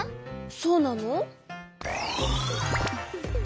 そうなの？